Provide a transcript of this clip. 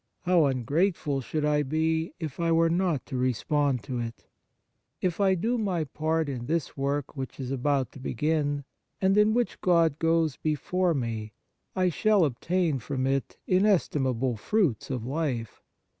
How ungrateful should I be, if I were not to respond to it ! If I do my part in this work which is about to begin, and in which God goes before me, I shall obtain from it inestimable fruits of life.